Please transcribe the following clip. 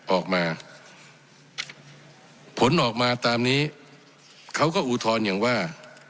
ออกมาผลออกมาตามนี้เขาก็อุทธรณ์อย่างว่า